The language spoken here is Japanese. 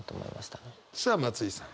さあ松居さん。